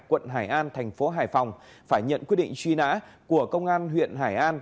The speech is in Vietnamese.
quận hải an thành phố hải phòng phải nhận quyết định truy nã của công an huyện hải an